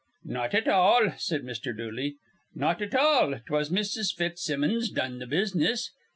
"Not at all," said Mr. Dooley. "Not at all. 'Twas Mrs. Fitzsimmons done th' business.